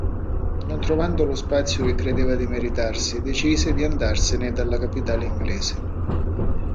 Non trovando lo spazio che credeva di meritarsi, decise di andarsene dalla capitale inglese.